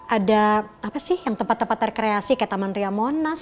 ada apa sih yang tempat tempat rekreasi kayak taman ria monas